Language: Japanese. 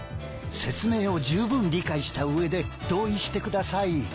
説明をじゅうぶん理解した上で同意してください。